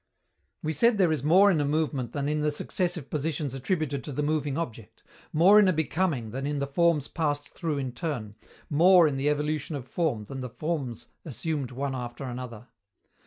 We said there is more in a movement than in the successive positions attributed to the moving object, more in a becoming than in the forms passed through in turn, more in the evolution of form than the forms assumed one after another.